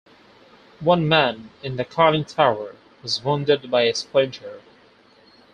One man in the conning tower was wounded by a splinter.